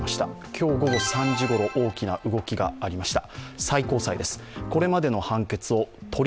今日午後３時ごろ、大きな動きがありました。